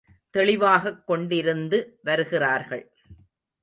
தெளிவாகக் கொண்டிருந்து வருகிறார்கள்.